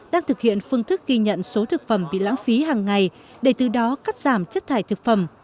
đang thực hiện phương thức ghi nhận số thực phẩm bị lãng phí hàng ngày để từ đó cắt giảm chất thải thực phẩm